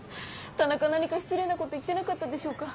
田中何か失礼なこと言ってなかったでしょうか？